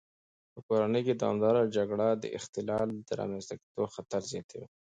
په کورنۍ کې دوامداره جګړه د اختلال د رامنځته کېدو خطر زیاتوي.